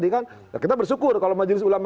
kita bersyukur kalau majelis ulama